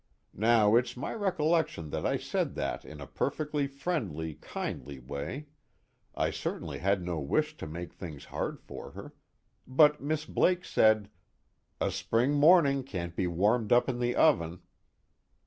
Now it's my recollection that I said that in a perfectly friendly, kindly way I certainly had no wish to make things hard for her but Miss Blake said: 'A spring morning can't be warmed up in the oven.'